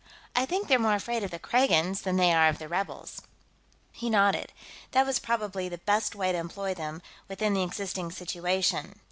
I think they're more afraid of the Kragans than they are of the rebels." He nodded. That was probably the best way to employ them, within the existing situation.